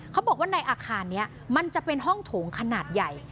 เขาบอกว่าในอาคารนี้มันจะเป็นห้องโถงขนาดใหญ่